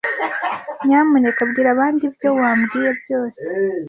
Nyamuneka bwira abandi ibyo wambwiye byose.